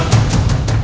kami tidak pernah takut